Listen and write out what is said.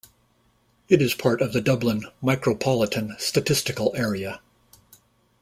It is part of the Dublin Micropolitan Statistical Area.